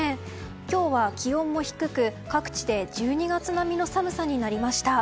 今日は気温も低く、各地で１２月並みの寒さになりました。